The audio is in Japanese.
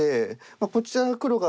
こちら黒が。